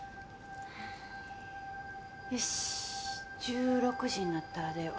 よし１６時になったら出よう。